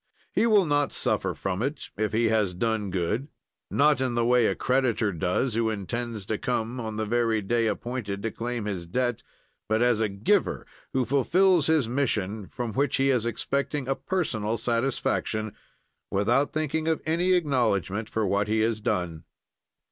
He will not suffer from it, if he has done good, not in the way a creditor does who intends to come on the very day appointed to claim his debt, but as a giver who fulfils his mission from which he is expecting a personal satisfaction, without thinking of any acknowledgment for what he has done.